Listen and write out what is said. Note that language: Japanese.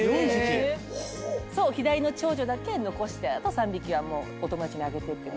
左の長女だけ残してあと３匹はお友達にあげてって。